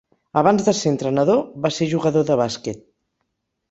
Abans de ser entrenador va ser jugador de bàsquet.